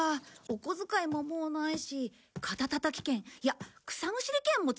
お小遣いももうないし肩たたき券いや草むしり券も付けるか。